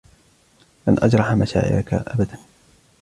لن أجرح مشاعرك أبدا